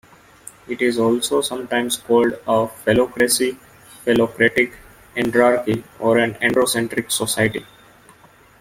It is also sometimes called a phallocracy, phallocratic, andrarchy, or an androcentric society.